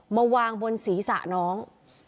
มาวางบนศีรษะน้อง